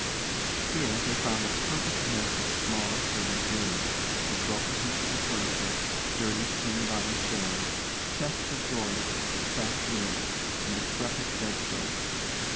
Here they found a perfect nest of small servants' rooms, with broken pieces of furniture, dirty cane bottomed chairs, chests of drawers, cracked mirrors, and decrepit bedsteads.